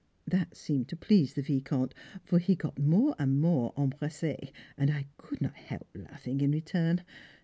That seemed to please the Vicomte, for he got more and more empressé, and I could not help laughing in return.